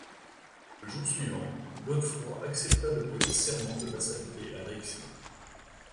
Le jour suivant, Godefroy accepta de prêter serment de vassalité à Alexis.